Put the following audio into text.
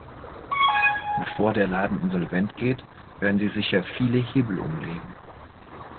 Bevor der Laden insolvent geht, werden sie sicher viele Hebel umlegen.